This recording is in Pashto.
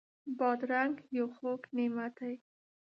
بادرنګ یو خوږ نعمت دی.